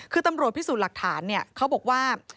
คือตำรวจพิสูจน์หลักฐานเขาบอกว่า